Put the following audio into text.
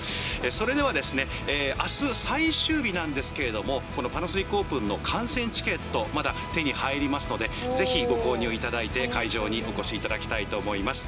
それでは、あす最終日なんですけれども、このパナソニックオープンの観戦チケット、まだ手に入りますので、ぜひご購入いただいて、会場にお越しいただきたいと思います。